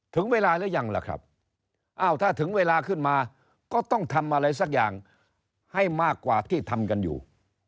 ถึงเวลาหรือยังล่ะครับอ้าวถ้าถึงเวลาขึ้นมาก็ต้องทำอะไรสักอย่างให้มากกว่าที่ทำกันอยู่